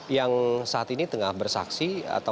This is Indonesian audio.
yang saat ini tengah bersaksi atau